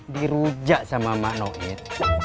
diruja sama mak muhid